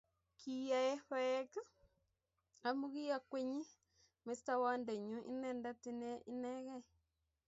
KiyaecBa-ech amu ki akwennyi. Mestowondennyo Inendet;h Ine Inegei.